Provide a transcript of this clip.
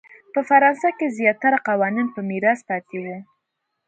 په فرانسه کې زیاتره قوانین په میراث پاتې وو.